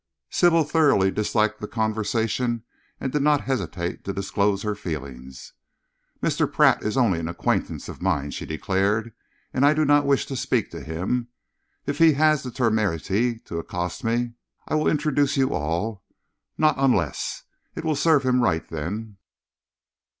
Sybil thoroughly disliked the conversation and did not hesitate to disclose her feelings. "Mr. Pratt is only an acquaintance of mine," she declared, "and I do not wish to speak to him. If he has the temerity to accost me, I will introduce you all not unless. It will serve him right then."